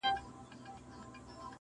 زه لرمه کاسې ډکي د همت او قناعته-